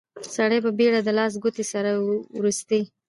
سړي په بيړه د لاس ګوتې سره وروستې.